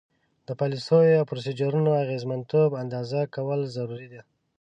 د پالیسیو او پروسیجرونو اغیزمنتوب اندازه کول ضروري دي.